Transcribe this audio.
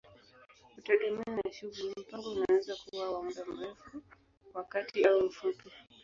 Kutegemea na shughuli, mpango unaweza kuwa wa muda mrefu, wa kati au mfupi.